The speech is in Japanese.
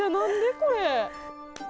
これ。